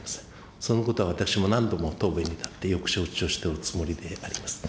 そのことは私も何度も答弁に立ってよく承知をしておるつもりであります。